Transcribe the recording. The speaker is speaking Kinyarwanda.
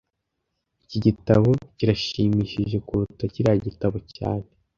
Iki gitabo kirashimishije kuruta kiriya gitabo cyane